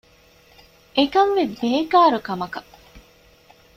އެކަންވީ ބޭކާރު ކަމަކަށް